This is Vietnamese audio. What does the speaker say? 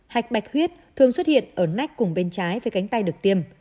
hạch bạch huyết thường xuất hiện ở nách cùng bên trái với cánh tay được tiêm